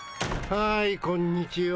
・ハイこんにちは。